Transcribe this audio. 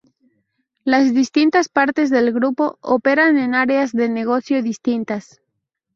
Las distintas partes del grupo operan en áreas de negocio distintas.